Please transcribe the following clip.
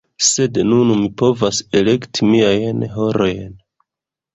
Sed nun mi povas elekti miajn horojn.